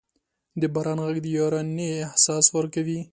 د باران ږغ د یارانې احساس ورکوي.